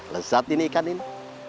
lesat ini ikan ini